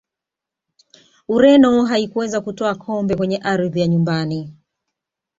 ureno haikuweza kutwaa kombe kwenye ardhi ya nyumbani